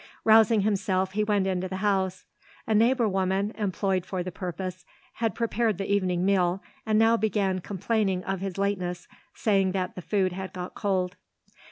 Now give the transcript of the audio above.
Rousing himself, he went into the house. A neighbour woman, employed for the purpose, had prepared the evening meal and now began complaining of his lateness, saying that the food had got cold.